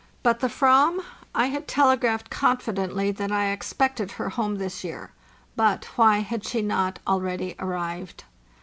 But the Aram? I had telegraphed confidently that I expected her home this year; but why had she not already arrived?